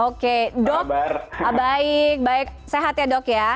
oke dok baik baik sehat ya dok ya